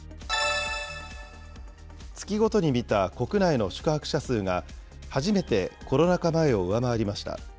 月ごとに見た国内の宿泊者数が、初めてコロナ禍前を上回りました。